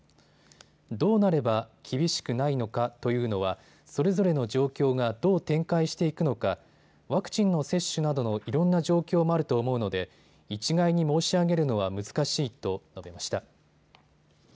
どうなれば厳しくないのかというのは、それぞれの状況がどう展開していくのかワクチンの接種などのいろんな状況もあると思うので一概に申し上げるのは難しいと述べました。